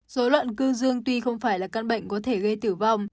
dối loạn cư dương tuy không phải là căn bệnh có thể gây tử vong